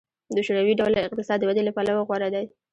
د شوروي ډوله اقتصاد د ودې له پلوه غوره دی